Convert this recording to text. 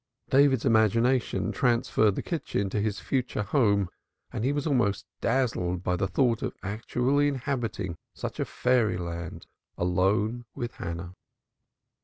David's imagination transferred the kitchen to his future home, and he was almost dazzled by the thought of actually inhabiting such a fairyland alone with Hannah.